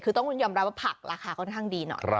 คือต้องยอมรับว่าผักราคาค่อนข้างดีหน่อย